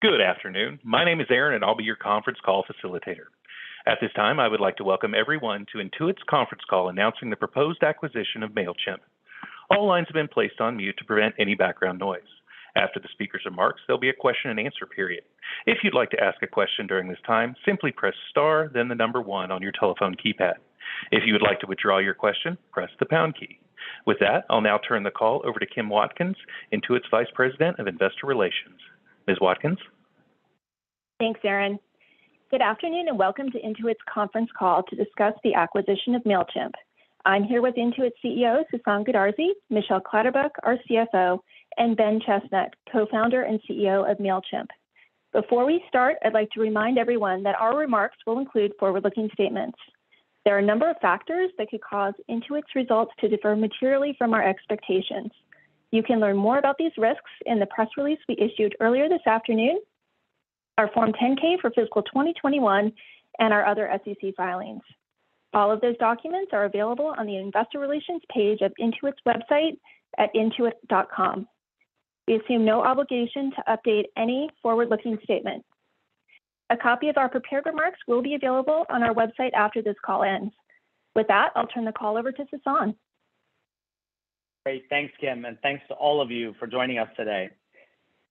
Good afternoon. My name is Aaron, and I'll be your conference call facilitator. At this time, I would like to welcome everyone to Intuit's conference call announcing the proposed acquisition of Mailchimp. All lines have been placed on mute to prevent any background noise. After the speakers' remarks, there will be a question-and-answer period. If you'd like to ask a question this time, simply press star then the number one on your telephone keypad. If you'd like to withdraw your question, press the pound key. With that, I'll now turn the call over to Kim Watkins, Intuit's Vice President of Investor Relations. Ms. Watkins? Thanks, Aaron. Good afternoon, and welcome to Intuit's conference call to discuss the acquisition of Mailchimp. I'm here with Intuit's CEO, Sasan Goodarzi; Michelle Clatterbuck, our CFO; and Ben Chestnut, Co-founder and CEO of Mailchimp. Before we start, I'd like to remind everyone that our remarks will include forward-looking statements. There are a number of factors that could cause Intuit's results to differ materially from our expectations. You can learn more about these risks in the press release we issued earlier this afternoon, our Form 10-K for fiscal 2021, and our other SEC filings. All of those documents are available on the investor relations page of Intuit's website at intuit.com. We assume no obligation to update any forward-looking statements. A copy of our prepared remarks will be available on our website after this call ends. With that, I'll turn the call over to Sasan. Great. Thanks, Kim, and thanks to all of you for joining us today.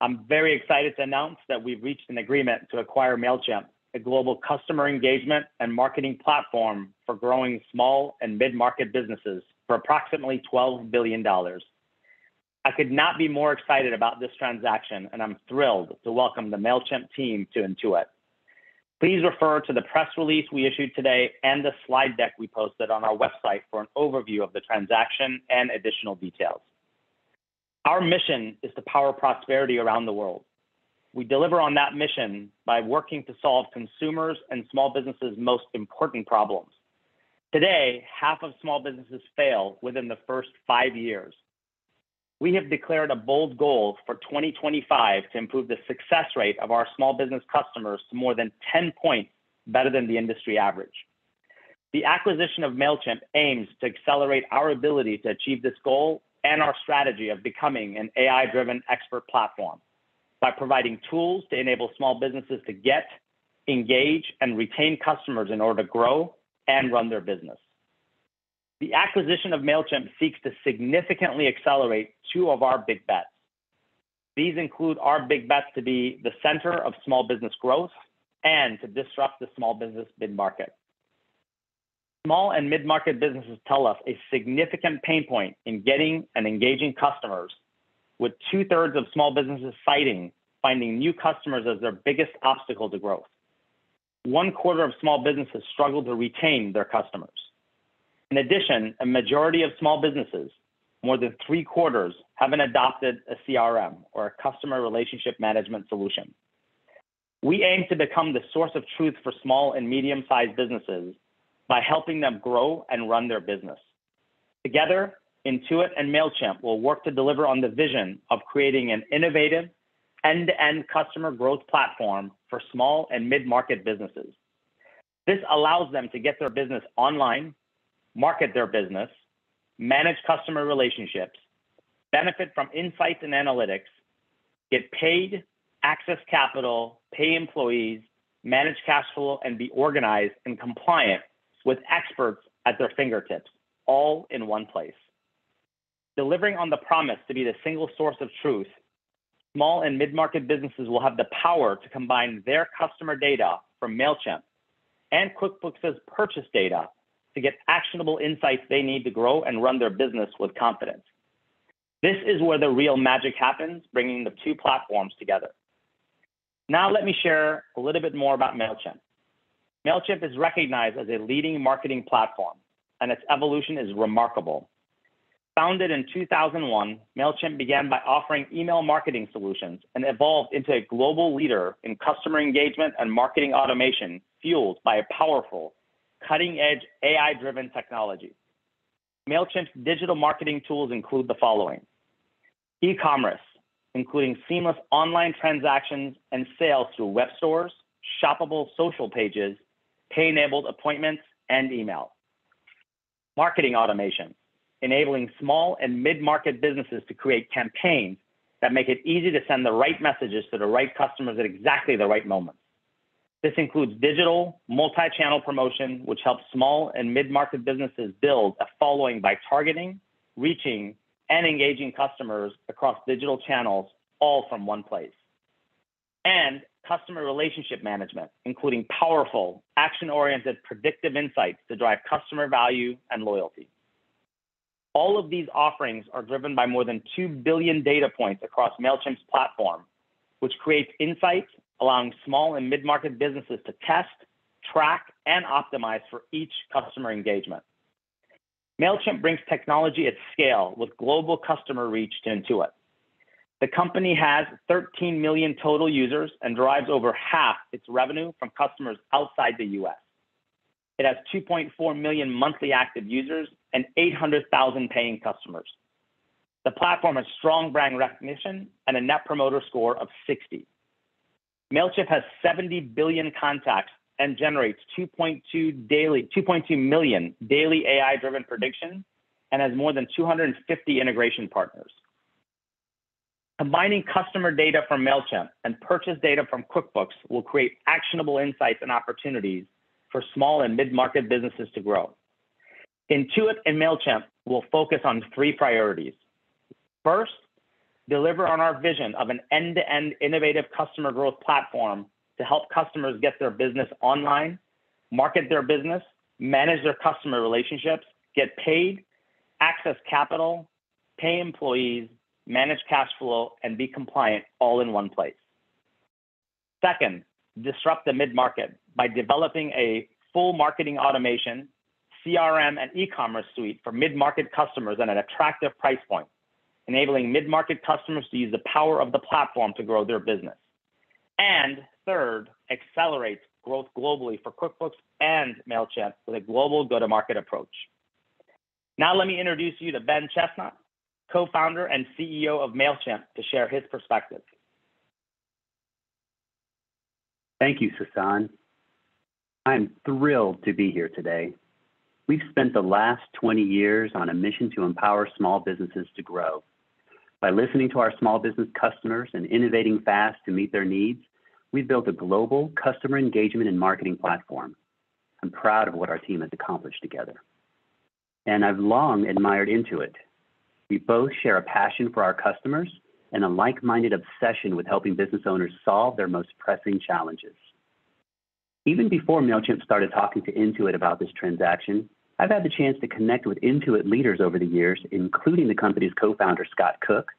I'm very excited to announce that we've reached an agreement to acquire Mailchimp, a global customer engagement and marketing platform for growing small and mid-market businesses, for approximately $12 billion. I could not be more excited about this transaction, and I'm thrilled to welcome the Mailchimp team to Intuit. Please refer to the press release we issued today and the slide deck we posted on our website for an overview of the transaction and additional details. Our mission is to power prosperity around the world. We deliver on that mission by working to solve consumers' and small businesses' most important problems. Today, half of small businesses fail within the first five years. We have declared a bold goal for 2025 to improve the success rate of our small business customers to more than 10 points better than the industry average. The acquisition of Mailchimp aims to accelerate our ability to achieve this goal and our strategy of becoming an AI-driven expert platform by providing tools to enable small businesses to get, engage, and retain customers in order to grow and run their business. The acquisition of Mailchimp seeks to significantly accelerate two of our big bets. These include our big bets to be the center of small business growth and to disrupt the small business mid-market. Small and mid-market businesses tell us a significant pain point in getting and engaging customers, with 2/3 of small businesses citing finding new customers as their biggest obstacle to growth. One-quarter of small businesses struggle to retain their customers. In addition, a majority of small businesses, more than 3/4, haven't adopted a CRM or a customer relationship management solution. We aim to become the source of truth for small and medium-sized businesses by helping them grow and run their business. Together, Intuit and Mailchimp will work to deliver on the vision of creating an innovative end-to-end customer growth platform for small and mid-market businesses. This allows them to get their business online, market their business, manage customer relationships, benefit from insights and analytics, get paid, access capital, pay employees, manage cash flow, and be organized and compliant with experts at their fingertips all in one place. Delivering on the promise to be the single source of truth, small and mid-market businesses will have the power to combine their customer data from Mailchimp and QuickBooks's purchase data to get actionable insights they need to grow and run their business with confidence. This is where the real magic happens, bringing the two platforms together. Let me share a little bit more about Mailchimp. Mailchimp is recognized as a leading marketing platform, and its evolution is remarkable. Founded in 2001, Mailchimp began by offering email marketing solutions and evolved into a global leader in customer engagement and marketing automation, fueled by a powerful, cutting edge, AI-driven technology. Mailchimp's digital marketing tools include the following. E-commerce, including seamless online transactions and sales through web stores, shoppable social pages, pay-enabled appointments, and email. Marketing automation, enabling small and mid-market businesses to create campaigns that make it easy to send the right messages to the right customers at exactly the right moment. This includes digital multi-channel promotion, which helps small and mid-market businesses build a following by targeting, reaching, and engaging customers across digital channels, all from one place. Customer relationship management, including powerful, action-oriented, predictive insights to drive customer value and loyalty. All of these offerings are driven by more than 2 billion data points across Mailchimp's platform, which creates insights allowing small and mid-market businesses to test, track, and optimize for each customer engagement. Mailchimp brings technology at scale with global customer reach to Intuit. The company has 13 million total users and derives over half its revenue from customers outside the U.S. It has 2.4 million monthly active users and 800,000 paying customers. The platform has strong brand recognition and a Net Promoter Score of 60. Mailchimp has 70 billion contacts and generates 2.2 million daily AI-driven predictions and has more than 250 integration partners. Combining customer data from Mailchimp and purchase data from QuickBooks will create actionable insights and opportunities for small and mid-market businesses to grow. Intuit and Mailchimp will focus on three priorities. First, deliver on our vision of an end-to-end innovative customer growth platform to help customers get their business online, market their business, manage their customer relationships, get paid, access capital, pay employees, manage cash flow, and be compliant all in one place. Second, disrupt the mid-market by developing a full marketing automation, CRM, and e-commerce suite for mid-market customers at an attractive price point, enabling mid-market customers to use the power of the platform to grow their business. Third, accelerate growth globally for QuickBooks and Mailchimp with a global go-to-market approach. Now let me introduce you to Ben Chestnut, Co-founder and CEO of Mailchimp, to share his perspective. Thank you, Sasan. I'm thrilled to be here today. We've spent the last 20 years on a mission to empower small businesses to grow. By listening to our small business customers and innovating fast to meet their needs, we've built a global customer engagement and marketing platform. I'm proud of what our team has accomplished together, and I've long admired Intuit. We both share a passion for our customers and a like-minded obsession with helping business owners solve their most pressing challenges. Even before Mailchimp started talking to Intuit about this transaction, I've had the chance to connect with Intuit leaders over the years, including the company's Co-founder, Scott Cook,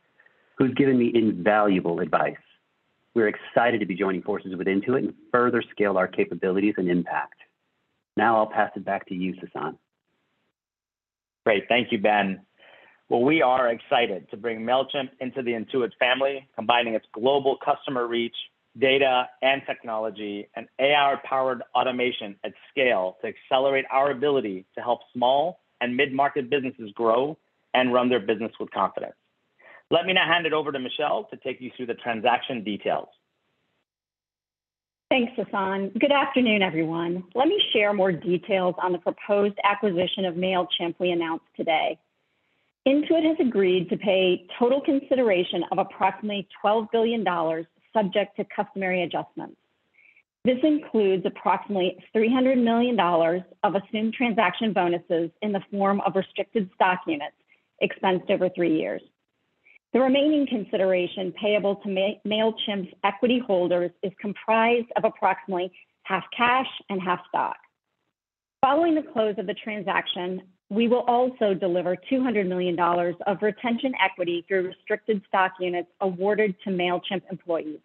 who's given me invaluable advice. We're excited to be joining forces with Intuit and further scale our capabilities and impact. Now I'll pass it back to you, Sasan. Great. Thank you, Ben. Well, we are excited to bring Mailchimp into the Intuit family, combining its global customer reach, data, and technology, and AI-powered automation at scale to accelerate our ability to help small and mid-market businesses grow and run their business with confidence. Let me now hand it over to Michelle to take you through the transaction details. Thanks, Sasan. Good afternoon, everyone. Let me share more details on the proposed acquisition of Mailchimp we announced today. Intuit has agreed to pay total consideration of approximately $12 billion, subject to customary adjustments. This includes approximately $300 million of assumed transaction bonuses in the form of restricted stock units, expensed over three years. The remaining consideration payable to Mailchimp's equity holders is comprised of approximately half cash and half stock. Following the close of the transaction, we will also deliver $200 million of retention equity through restricted stock units awarded to Mailchimp employees,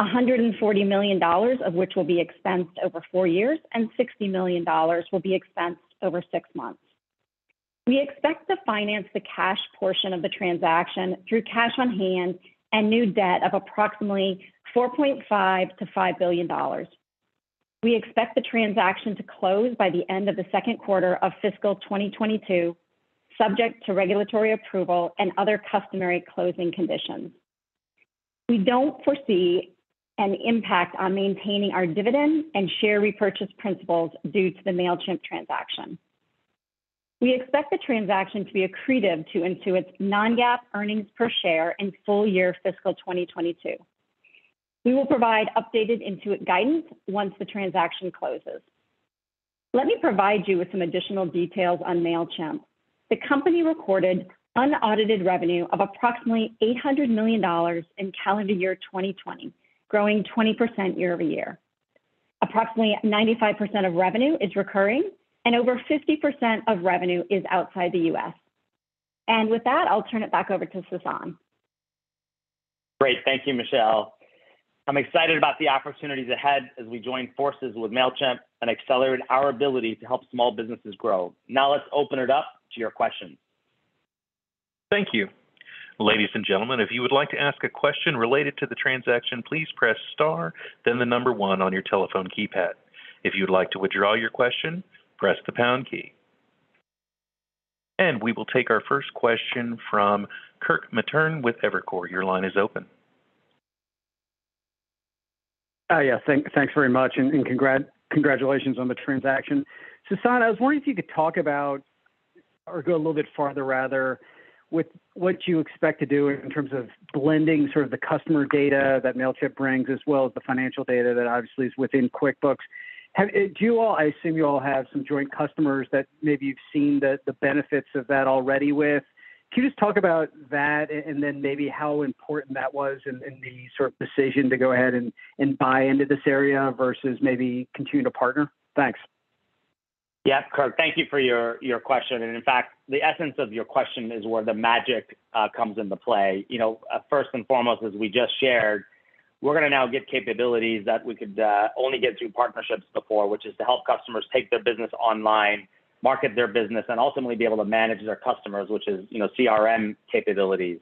$140 million of which will be expensed over four years, and $60 million will be expensed over six months. We expect to finance the cash portion of the transaction through cash on hand and new debt of approximately $4.5 billion-$5 billion. We expect the transaction to close by the end of the second quarter of fiscal 2022, subject to regulatory approval and other customary closing conditions. We don't foresee an impact on maintaining our dividend and share repurchase principles due to the Mailchimp transaction. We expect the transaction to be accretive to Intuit's non-GAAP earnings per share in full year fiscal 2022. We will provide updated Intuit guidance once the transaction closes. Let me provide you with some additional details on Mailchimp. The company recorded unaudited revenue of approximately $800 million in calendar year 2020, growing 20% year-over-year. Approximately 95% of revenue is recurring, and over 50% of revenue is outside the U.S. With that, I'll turn it back over to Sasan. Great. Thank you, Michelle. I'm excited about the opportunities ahead as we join forces with Mailchimp and accelerate our ability to help small businesses grow. Now let's open it up to your questions. Thank you. Ladies and gentlemen, if you would like to ask a question related to the transaction, please press star then the number one on your telephone keypad. If you'd like to withdraw your question, press the pound key. We will take our first question from Kirk Materne with Evercore. Your line is open. Yeah. Thanks very much, and congratulations on the transaction. Sasan, I was wondering if you could talk about or go a little bit farther, rather, with what you expect to do in terms of blending sort of the customer data that Mailchimp brings, as well as the financial data that obviously is within QuickBooks? I assume you all have some joint customers that maybe you've seen the benefits of that already with. Can you just talk about that and then maybe how important that was in the sort of decision to go ahead and buy into this area versus maybe continue to partner? Thanks. Yeah, Kirk, thank you for your question. In fact, the essence of your question is where the magic comes into play. First and foremost, as we just shared, we're going to now get capabilities that we could only get through partnerships before, which is to help customers take their business online, market their business, and ultimately be able to manage their customers, which is CRM capabilities.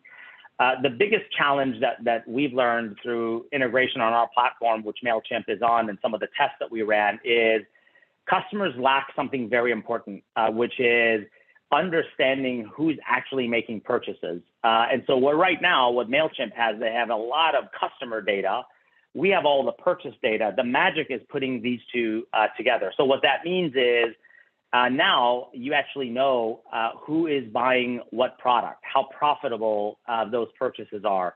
The biggest challenge that we've learned through integration on our platform, which Mailchimp is on, and some of the tests that we ran is customers lack something very important, which is understanding who's actually making purchases. Right now, what Mailchimp has, they have a lot of customer data. We have all the purchase data. The magic is putting these two together. What that means is now you actually know who is buying what product, how profitable those purchases are,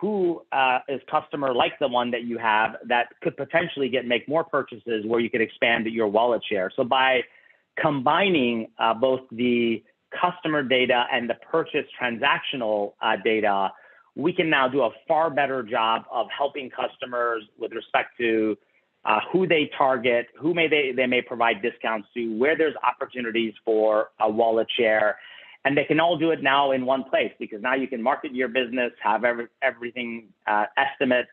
who is customer like the one that you have that could potentially make more purchases where you could expand your wallet share. By combining both the customer data and the purchase transactional data, we can now do a far better job of helping customers with respect to who they target, who they may provide discounts to, where there's opportunities for a wallet share. They can all do it now in one place, because now you can market your business, have everything, estimates,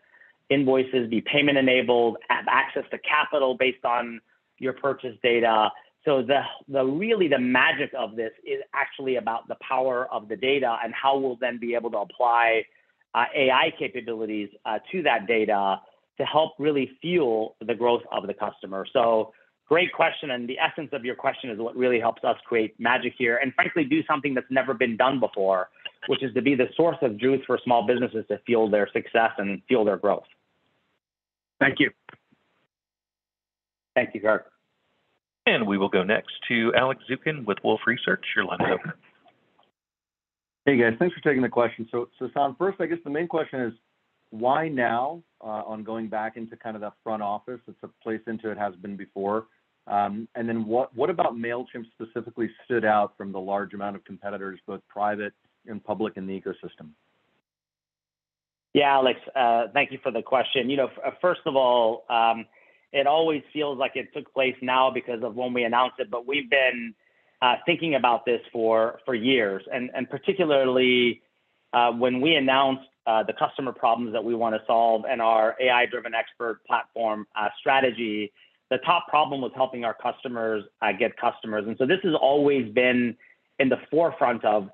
invoices, be payment-enabled, have access to capital based on your purchase data. Really the magic of this is actually about the power of the data and how we'll then be able to apply AI capabilities to that data to help really fuel the growth of the customer. Great question, and the essence of your question is what really helps us create magic here. Frankly, do something that's never been done before, which is to be the source of juice for small businesses to fuel their success and fuel their growth. Thank you. Thank you, Kirk. We will go next to Alex Zukin with Wolfe Research. Your line is open. Hey, guys. Thanks for taking the question. Sasan, first, I guess the main question is why now on going back into the front office that's a place Intuit has been before? What about Mailchimp specifically stood out from the large amount of competitors, both private and public in the ecosystem? Yeah, Alex. Thank you for the question. First of all, it always feels like it took place now because of when we announced it, but we've been thinking about this for years. Particularly when we announced the customer problems that we want to solve and our AI-driven expert platform strategy, the top problem was helping our customers get customers. This has always been in the forefront of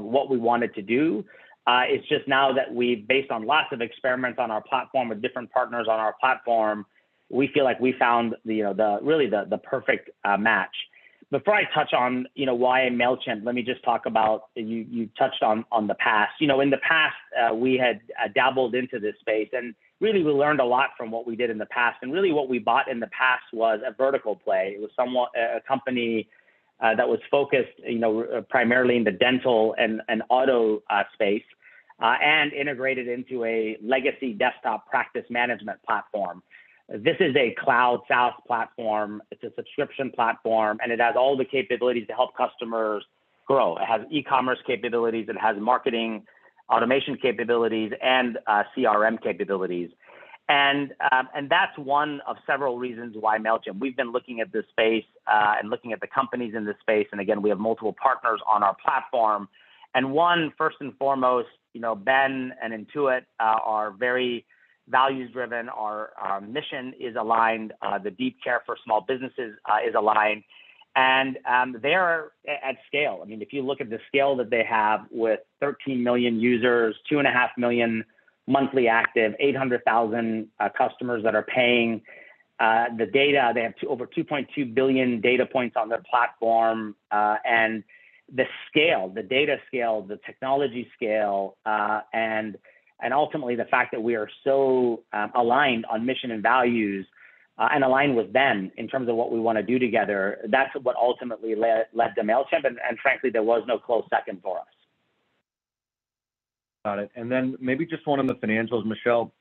what we wanted to do. It's just now that based on lots of experiments on our platform with different partners on our platform, we feel like we found the perfect match. Before I touch on why Mailchimp, let me just talk about, you touched on the past. In the past, we had dabbled into this space, and really we learned a lot from what we did in the past. Really what we bought in the past was a vertical play. It was a company that was focused primarily in the dental and auto space, and integrated into a legacy desktop practice management platform. This is a cloud SaaS platform, it's a subscription platform, and it has all the capabilities to help customers grow. It has e-commerce capabilities, it has marketing automation capabilities, and CRM capabilities. That's one of several reasons why Mailchimp. We've been looking at this space, and looking at the companies in this space, and again, we have multiple partners on our platform. One, first and foremost, Ben and Intuit are very values driven. Our mission is aligned. The deep care for small businesses is aligned. They are at scale. If you look at the scale that they have with 13 million users, 2.5 million monthly active, 800,000 customers that are paying the data. They have over 2.2 billion data points on their platform. The scale, the data scale, the technology scale, and ultimately the fact that we are so aligned on mission and values, and aligned with them in terms of what we want to do together, that's what ultimately led to Mailchimp. Frankly, there was no close second for us. Got it. Then maybe just one on the financials, Michelle.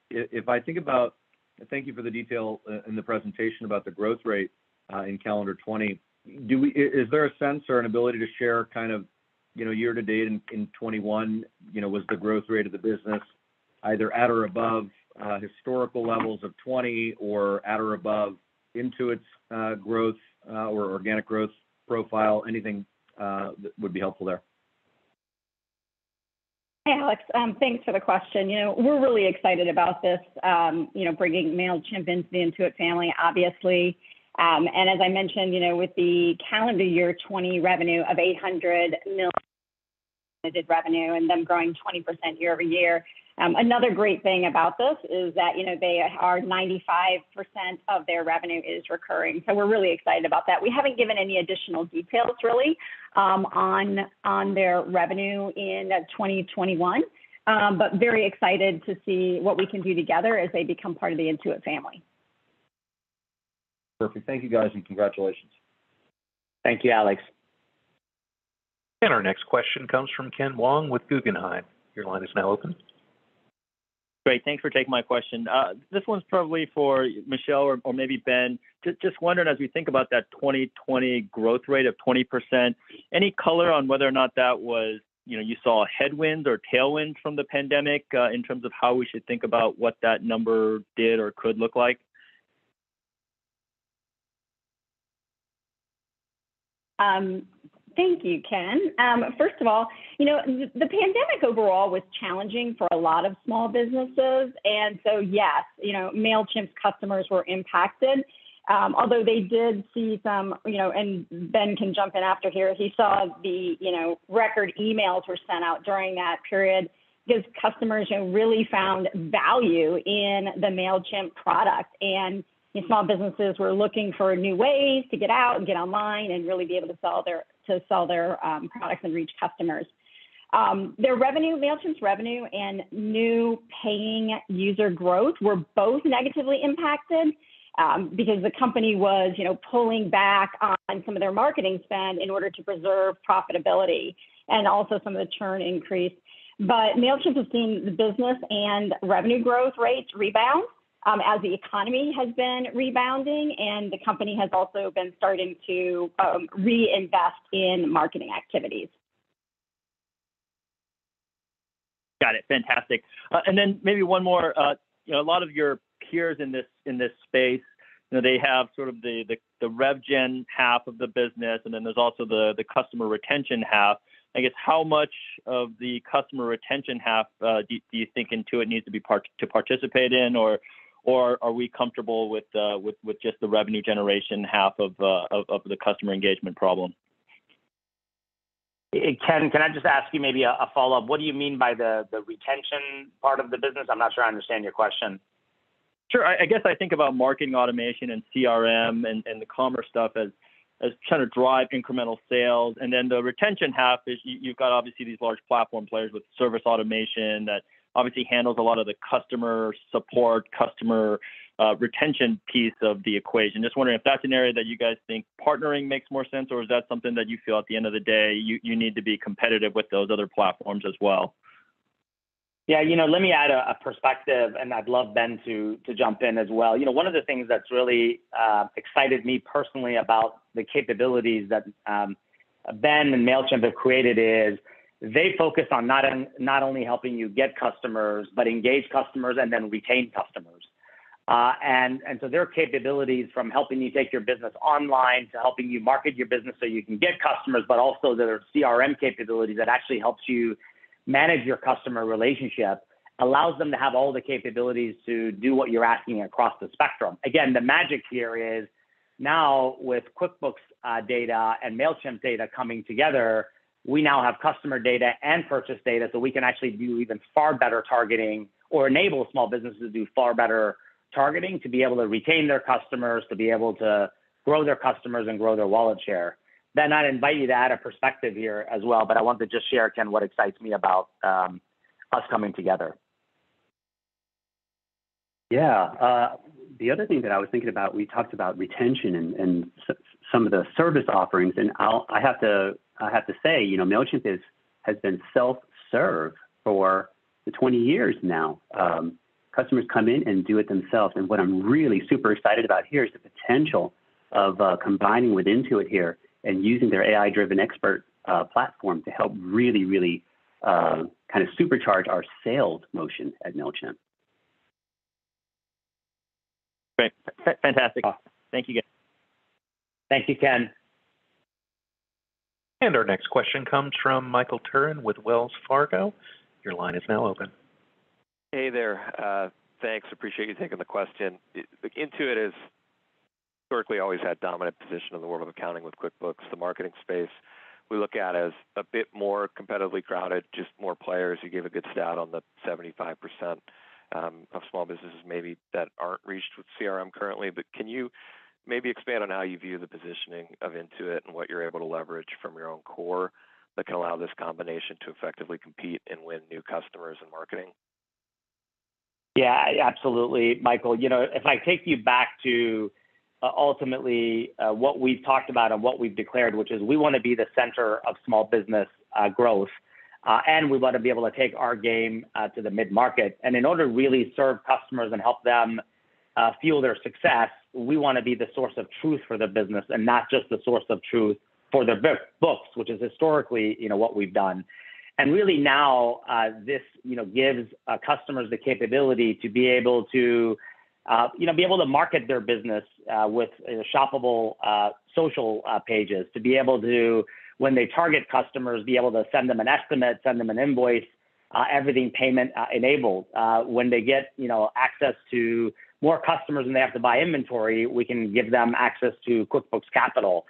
Thank you for the detail in the presentation about the growth rate in calendar 2020. Is there a sense or an ability to share year-to-date in 2021, was the growth rate of the business either at or above historical levels of 2020, or at or above Intuit's growth, or organic growth profile? Anything would be helpful there. Hey, Alex. Thanks for the question. We're really excited about this, bringing Mailchimp into the Intuit family, obviously. As I mentioned, with the calendar year 2020 revenue of $800 million revenue, and them growing 20% year-over-year. Another great thing about this is that 95% of their revenue is recurring. We're really excited about that. We haven't given any additional details really on their revenue in 2021. Very excited to see what we can do together as they become part of the Intuit family. Perfect. Thank you, guys, and congratulations. Thank you, Alex. Our next question comes from Ken Wong with Guggenheim. Your line is now open. Great. Thanks for taking my question. This one's probably for Michelle, or maybe Ben. Just wondering, as we think about that 2020 growth rate of 20%, any color on whether or not that was you saw a headwind or tailwind from the pandemic in terms of how we should think about what that number did or could look like? Thank you, Ken. First of all, the pandemic overall was challenging for a lot of small businesses. Yes, Mailchimp's customers were impacted. Although they did see some, and Ben can jump in after here, he saw the record emails were sent out during that period, because customers really found value in the Mailchimp product. Small businesses were looking for new ways to get out and get online and really be able to sell their products and reach customers. Mailchimp's revenue and new paying user growth were both negatively impacted because the company was pulling back on some of their marketing spend in order to preserve profitability, and also some of the churn increased. Mailchimp has seen the business and revenue growth rates rebound as the economy has been rebounding, and the company has also been starting to reinvest in marketing activities. Got it. Fantastic. Maybe one more. A lot of your peers in this space, they have the rev-gen half of the business, and then there's also the customer retention half. I guess, how much of the customer retention half do you think Intuit needs to participate in, or are we comfortable with just the revenue generation half of the customer engagement problem? Ken, can I just ask you maybe a follow-up? What do you mean by the retention part of the business? I'm not sure I understand your question. Sure. I guess I think about marketing automation and CRM and the commerce stuff as trying to drive incremental sales. The retention half is you've got, obviously, these large platform players with service automation that obviously handles a lot of the customer support, customer retention piece of the equation. Just wondering if that's an area that you guys think partnering makes more sense, or is that something that you feel at the end of the day you need to be competitive with those other platforms as well? Yeah. Let me add a perspective, and I'd love Ben to jump in as well. One of the things that's really excited me personally about the capabilities that Ben and Mailchimp have created is they focus on not only helping you get customers, but engage customers and then retain customers. Their capabilities from helping you take your business online to helping you market your business so you can get customers, but also their CRM capability that actually helps you manage your customer relationship, allows them to have all the capabilities to do what you're asking across the spectrum. Again, the magic here is now with QuickBooks data and Mailchimp data coming together, we now have customer data and purchase data, so we can actually do even far better targeting or enable small businesses to do far better targeting to be able to retain their customers, to be able to grow their customers, and grow their wallet share. Ben, I'd invite you to add a perspective here as well. I wanted to just share, Ken, what excites me about us coming together. Yeah. The other thing that I was thinking about, we talked about retention and some of the service offerings. I have to say, Mailchimp has been self-serve for 20 years now. Customers come in and do it themselves, and what I'm really super excited about here is the potential of combining with Intuit here and using their AI-driven expert platform to help really supercharge our sales motion at Mailchimp. Great. Fantastic. Thank you, guys. Thank you, Ken. Our next question comes from Michael Turrin with Wells Fargo. Your line is now open. Hey there. Thanks. Appreciate you taking the question. Intuit has historically always had dominant position in the world of accounting with QuickBooks. The marketing space we look at as a bit more competitively crowded, just more players. You gave a good stat on the 75% of small businesses maybe that aren't reached with CRM currently. Can you maybe expand on how you view the positioning of Intuit and what you're able to leverage from your own core that can allow this combination to effectively compete and win new customers in marketing? Yeah, absolutely, Michael. If I take you back to ultimately what we've talked about and what we've declared, which is we want to be the center of small business growth, and we want to be able to take our game to the mid-market. In order to really serve customers and help them fuel their success, we want to be the source of truth for the business and not just the source of truth for their books, which is historically what we've done. Really now, this gives customers the capability to be able to market their business with shoppable social pages, to be able to, when they target customers, be able to send them an estimate, send them an invoice, everything payment-enabled. When they get access to more customers and they have to buy inventory, we can give them access to QuickBooks Capital.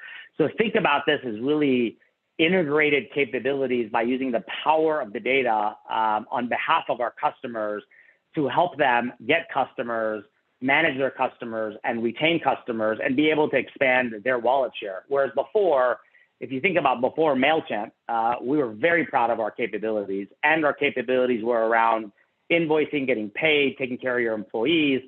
Think about this as really integrated capabilities by using the power of the data on behalf of our customers to help them get customers, manage their customers, and retain customers, and be able to expand their wallet share. Whereas before, if you think about before Mailchimp, we were very proud of our capabilities. Our capabilities were around invoicing, getting paid, taking care of your employees,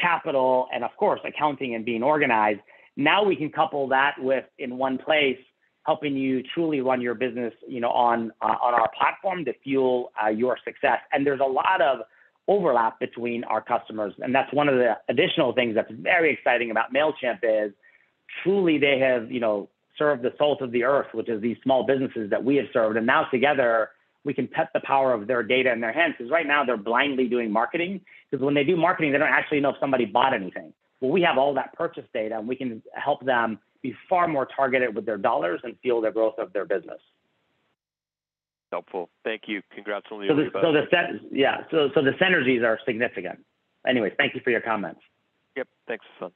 capital, and of course, accounting and being organized. Now we can couple that with, in one place, helping you truly run your business on our platform to fuel your success. There's a lot of overlap between our customers. That's one of the additional things that's very exciting about Mailchimp is truly they have served the salt of the earth, which is these small businesses that we have served. Now together, we can put the power of their data in their hands, because right now they're blindly doing marketing. When they do marketing, they don't actually know if somebody bought anything. Well, we have all that purchase data, and we can help them be far more targeted with their dollars and fuel their growth of their business. Helpful. Thank you. Congrats on the deal, you guys. Yeah. The synergies are significant. Anyway, thank you for your comments. Yep. Thanks, Sasan.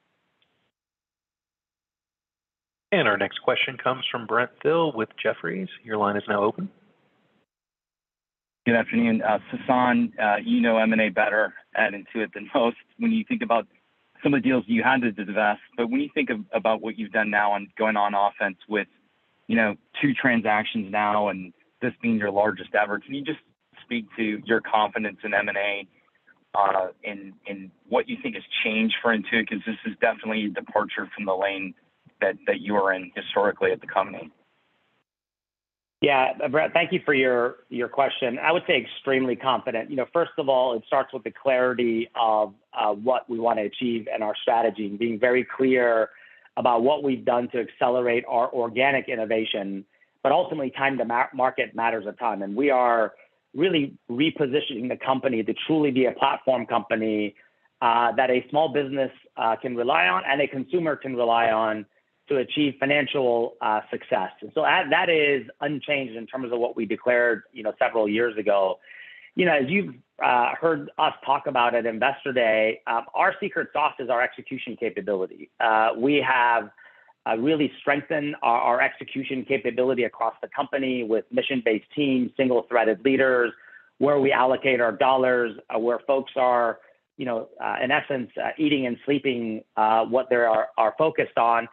Our next question comes from Brent Thill with Jefferies. Your line is now open. Good afternoon. Sasan, you know M&A better at Intuit than most when you think about some of the deals you had to divest. When you think about what you've done now and going on offense with two transactions now. This being your largest ever. Can you just speak to your confidence in M&A, and what you think has changed for Intuit? Because this is definitely a departure from the lane that you were in historically at the company. Yeah. Brent, thank you for your question. I would say extremely confident. First of all, it starts with the clarity of what we want to achieve and our strategy, and being very clear about what we've done to accelerate our organic innovation. Ultimately, time to market matters a ton. We are really repositioning the company to truly be a platform company that a small business can rely on, and a consumer can rely on to achieve financial success. That is unchanged in terms of what we declared several years ago. As you've heard us talk about at Investor Day, our secret sauce is our execution capability. We have really strengthened our execution capability across the company with mission-based teams, single-threaded leaders, where we allocate our dollars, where folks are, in essence, eating and sleeping, what they are focused on.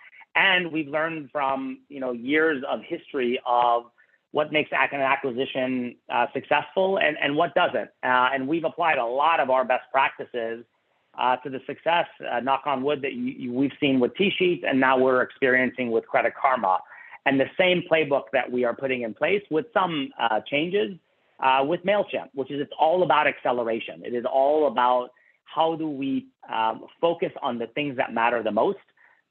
We've learned from years of history of what makes an acquisition successful and what doesn't. We've applied a lot of our best practices to the success, knock on wood, that we've seen with TSheets, and now we're experiencing with Credit Karma. The same playbook that we are putting in place with some changes with Mailchimp, which is it's all about acceleration. It is all about how do we focus on the things that matter the most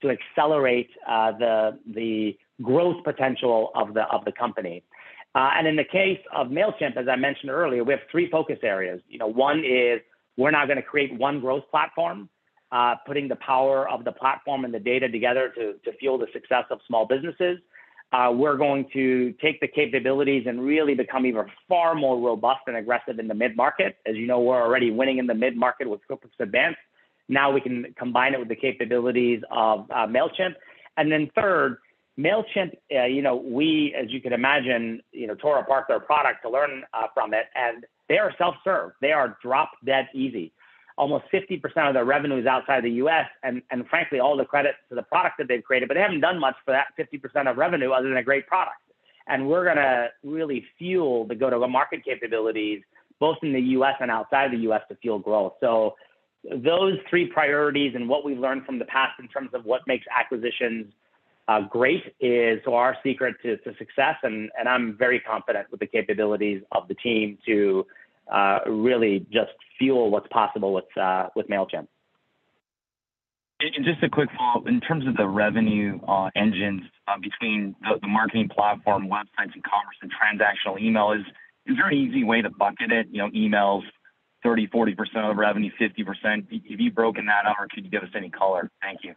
to accelerate the growth potential of the company. In the case of Mailchimp, as I mentioned earlier, we have three focus areas. One is we're now going to create one growth platform, putting the power of the platform and the data together to fuel the success of small businesses. We're going to take the capabilities and really become even far more robust and aggressive in the mid-market. As you know, we're already winning in the mid-market with QuickBooks Advanced. We can combine it with the capabilities of Mailchimp. Third, Mailchimp, we, as you can imagine, tore apart their product to learn from it. They are self-serve. They are drop-dead easy. Almost 50% of their revenue is outside the U.S., frankly, all the credit to the product that they've created. They haven't done much for that 50% of revenue other than a great product. We're going to really fuel the go-to-market capabilities, both in the U.S. and outside the U.S., to fuel growth. Those three priorities and what we've learned from the past in terms of what makes acquisitions great is our secret to success. I'm very confident with the capabilities of the team to really just fuel what's possible with Mailchimp. Just a quick follow-up. In terms of the revenue engines between the marketing platform, websites, e-commerce, and transactional emails, is there an easy way to bucket it? Emails 30%-40% of revenue, 50%? Have you broken that up or could you give us any color? Thank you.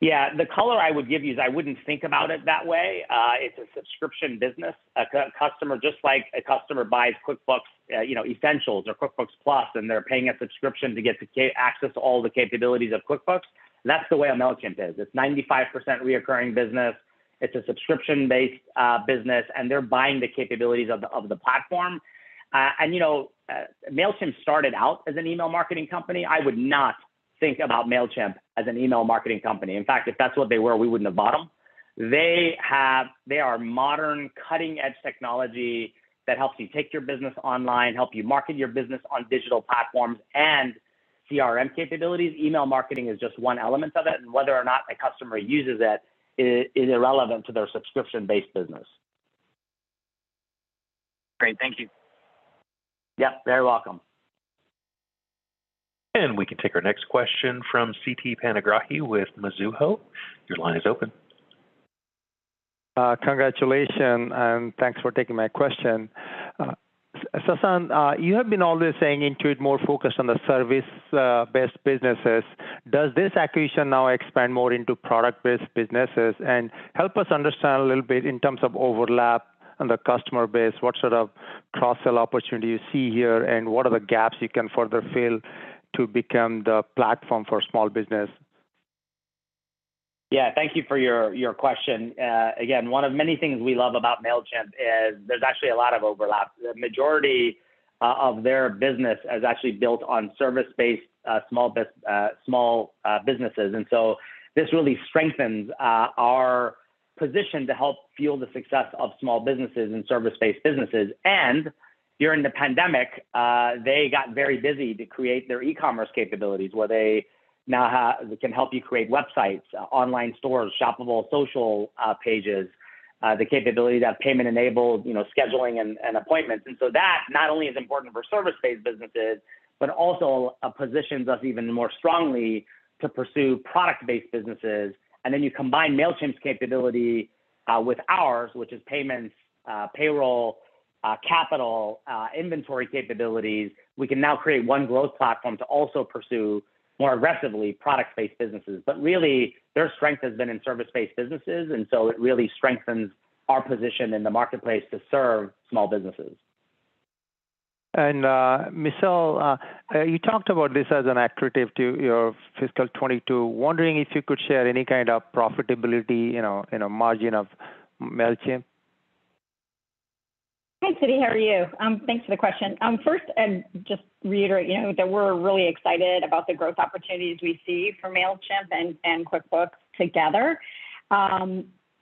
Yeah. The color I would give you is I wouldn't think about it that way. It's a subscription business. Just like a customer buys QuickBooks Essentials or QuickBooks Plus, they're paying a subscription to get access to all the capabilities of QuickBooks, that's the way a Mailchimp is. It's 95% recurring business. It's a subscription-based business. They're buying the capabilities of the platform. Mailchimp started out as an email marketing company. I would not think about Mailchimp as an email marketing company. In fact, if that's what they were, we wouldn't have bought them. They are modern, cutting-edge technology that helps you take your business online, help you market your business on digital platforms and CRM capabilities. Email marketing is just one element of it, whether or not a customer uses it is irrelevant to their subscription-based business. Great. Thank you. Yeah. You're very welcome. We can take our next question from Siti Panigrahi with Mizuho. Your line is open. Congratulations. Thanks for taking my question. Sasan, you have been always saying Intuit more focused on the service-based businesses. Does this acquisition now expand more into product-based businesses? Help us understand a little bit in terms of overlap on the customer base, what sort of cross-sell opportunity you see here, and what are the gaps you can further fill to become the platform for small business? Yeah. Thank you for your question. Again, one of many things we love about Mailchimp is there's actually a lot of overlap. The majority of their business is actually built on service-based small businesses. This really strengthens our position to help fuel the success of small businesses and service-based businesses. During the pandemic, they got very busy to create their e-commerce capabilities, where they now can help you create websites, online stores, shoppable social pages. The capability to have payment-enabled scheduling and appointments. That not only is important for service-based businesses, but also positions us even more strongly to pursue product-based businesses. You combine Mailchimp's capability with ours, which is payments, payroll, capital, inventory capabilities. We can now create one growth platform to also pursue more aggressively product-based businesses. Really, their strength has been in service-based businesses, and so it really strengthens our position in the marketplace to serve small businesses. Michelle, you talked about this as an accretive to your fiscal 2022. Wondering if you could share any kind of profitability in a margin of Mailchimp? Hi, Siti, how are you? Thanks for the question. First, just to reiterate, that we're really excited about the growth opportunities we see for Mailchimp and QuickBooks together.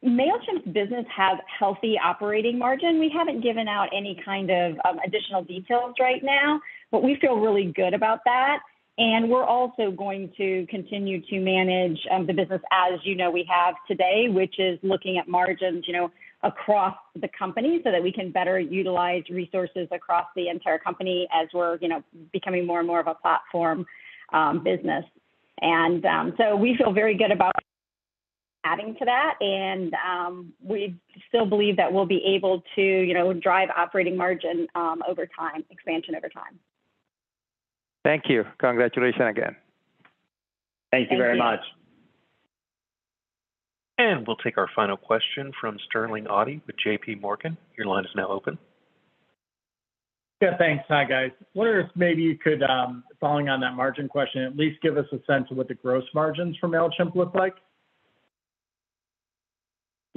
Mailchimp's business has healthy operating margin. We haven't given out any kind of additional details right now, but we feel really good about that. We're also going to continue to manage the business as you know we have today, which is looking at margins across the company so that we can better utilize resources across the entire company as we're becoming more and more of a platform business. We feel very good about adding to that. We still believe that we'll be able to drive operating margin over time, expansion over time. Thank you. Congratulations again. Thank you very much. Thank you. We'll take our final question from Sterling Auty with JPMorgan. Your line is now open. Yeah, thanks. Hi, guys. I wonder if maybe you could, following on that margin question, at least give us a sense of what the gross margins for Mailchimp look like?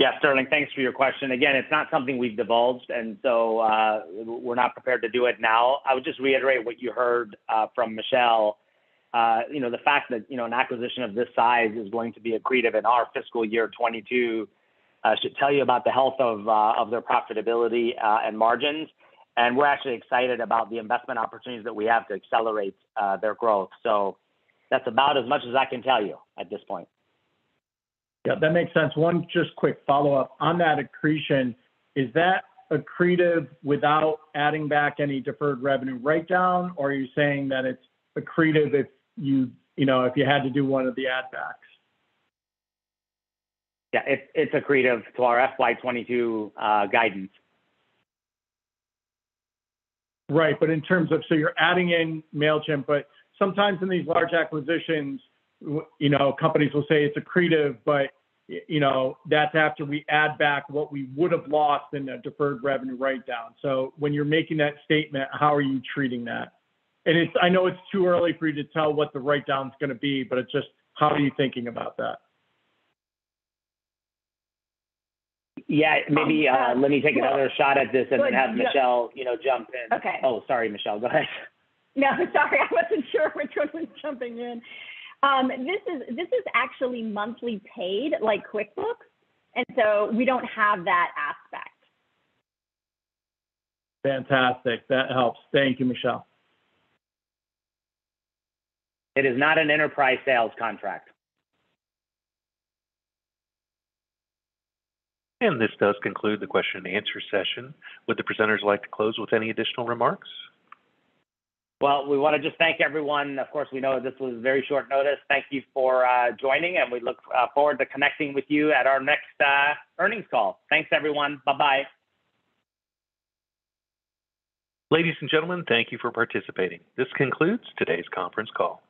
Yeah, Sterling, thanks for your question. Again, it's not something we've divulged, and so we're not prepared to do it now. I would just reiterate what you heard from Michelle. The fact that an acquisition of this size is going to be accretive in our fiscal year 2022 should tell you about the health of their profitability and margins. We're actually excited about the investment opportunities that we have to accelerate their growth. That's about as much as I can tell you at this point. Yeah, that makes sense. One just quick follow-up. On that accretion, is that accretive without adding back any deferred revenue write-down, or are you saying that it's accretive if you had to do one of the add backs? It's accretive to our FY 2022 guidance. Right. You're adding in Mailchimp, but sometimes in these large acquisitions, companies will say it's accretive, but that's after we add back what we would've lost in a deferred revenue write-down. When you're making that statement, how are you treating that? I know it's too early for you to tell what the write-down's gonna be. It's just, how are you thinking about that? Yeah. Maybe let me take another shot at this and then have Michelle jump in. Okay. Oh, sorry, Michelle. Go ahead. No, sorry. I wasn't sure which was jumping in. This is actually monthly paid, like QuickBooks, and so we don't have that aspect. Fantastic. That helps. Thank you, Michelle. It is not an enterprise sales contract. This does conclude the question-and-answer session. Would the presenters like to close with any additional remarks? Well, we want to just thank everyone. Of course, we know this was very short notice. Thank you for joining, and we look forward to connecting with you at our next earnings call. Thanks, everyone. Bye-bye. Ladies and gentlemen, thank you for participating. This concludes today's conference call.